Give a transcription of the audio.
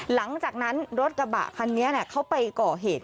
หลังจากนั้นรถกระบะคันนี้เขาไปก่อเหตุ